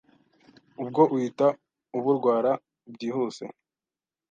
ubwo uhita uburwara byihuse